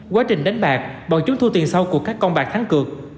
quá trình đánh bạc bọn chúng thu tiền sâu của các con bạc thắng cược